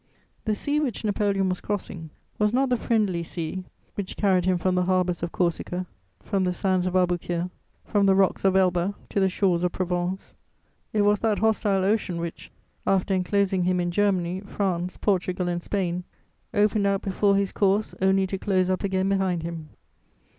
The sea which Napoleon was crossing was not the friendly sea which carried him from the harbours of Corsica, from the sands of Abukir, from the rocks of Elba, to the shores of Provence; it was that hostile ocean which, after enclosing him in Germany, France, Portugal and Spain, opened out before his course only to close up again behind him.